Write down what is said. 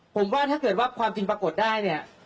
ผมว่าถ้าความจริงปรากฏได้